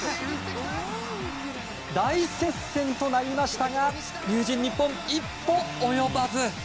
大接戦となりましたが龍神ＮＩＰＰＯＮ、一歩及ばず。